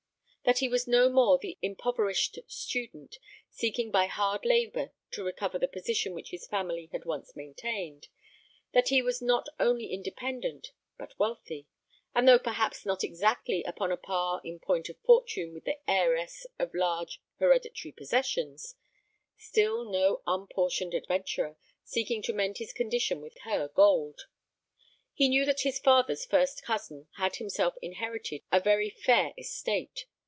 That he was no more the impoverished student, seeking by hard labour to recover the position which his family had once maintained. That he was not only independent, but wealthy; and though perhaps not exactly upon a par in point of fortune with the heiress of large hereditary possessions, still no unportioned adventurer, seeking to mend his condition with her gold. He knew that his father's first cousin had himself inherited a very fair estate.